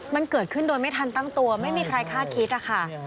มันเกิดขึ้นโดยไม่ทันตั้งตัวไม่มีใครคาดคิดนะคะ